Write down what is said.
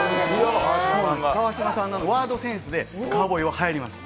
川島さんのワードセンスでかうぼーいは、はやりました。